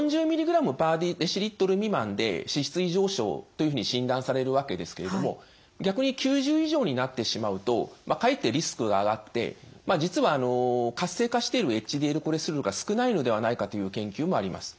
４０ｍｇ／ｄＬ未満で脂質異常症というふうに診断されるわけですけれども逆に９０以上になってしまうとかえってリスクが上がって実は活性化しているＨＤＬコレステロールが少ないのではないかという研究もあります。